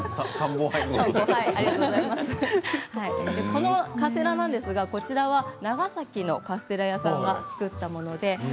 このカステラなんですが長崎のカステラ屋さんが作ったものです。